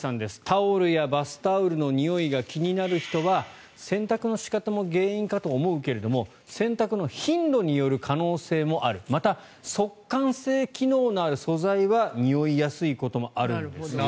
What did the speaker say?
タオルやバスタオルのにおいが気になる人は洗濯の仕方も原因かと思うけれども洗濯の頻度による可能性もあるまた、速乾性機能のある素材はにおいやすいこともあるんですよと。